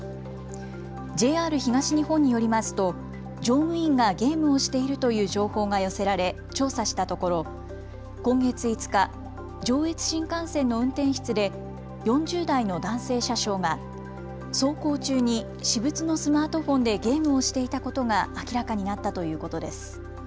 ＪＲ東日本によりますと乗務員がゲームをしているという情報が寄せられ調査したところ、今月５日、上越新幹線の運転室で４０代の男性車掌が走行中に私物のスマートフォンでゲームをしていたことが明らかになったということです。